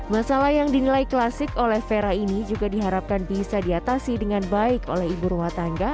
masalah yang dinilai klasik oleh vera ini juga diharapkan bisa diatasi dengan baik oleh ibu rumah tangga